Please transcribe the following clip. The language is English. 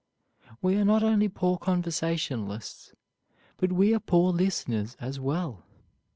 We are not only poor conversationalists, but we are poor listeners as well.